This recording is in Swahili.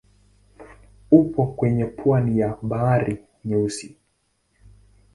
Upo kwenye pwani ya Bahari Nyeusi.